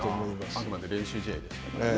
あくまで練習試合ですからね。